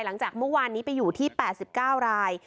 หลังจากเมื่อวานนี้ไปอยู่ที่๘๙ราย